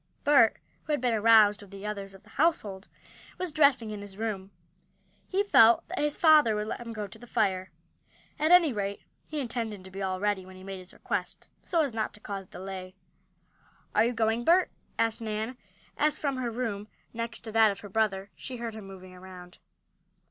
Bert, who had been aroused with the others of the household, was dressing in his room. He felt that his father would let him go to the fire. At any rate he intended to be all ready when he made his request, so as not to cause delay. "Are you going, Bert?" asked Nan, as from her room, next to that of her brother, she heard him moving around.